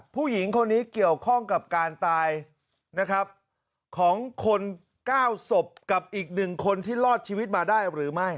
ผู้หญิงคนนี้เกี่ยวข้องกับการตายนะครับของคน๙ศพกับอีก๑คนที่รอดชีวิตมาได้หรือไม่